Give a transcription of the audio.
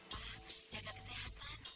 mampus lu si fatime